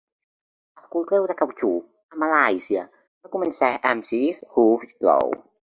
El cultiu de cautxú a Malàisia va començar amb Sir Hugh Low.